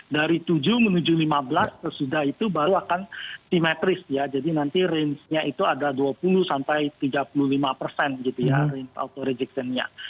dari tujuh menuju lima belas sesudah itu baru akan simetris ya jadi nanti range nya itu ada dua puluh sampai tiga puluh lima persen gitu ya range auto rejection nya